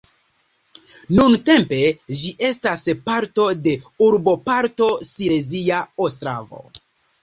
Nuntempe ĝi estas parto de urboparto Silezia Ostrava.